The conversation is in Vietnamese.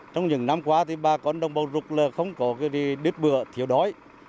trong những năm qua thì bà con đồng bào rục là không có cái đứt bựa thiếu đói